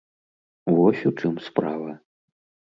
Вось у чым справа.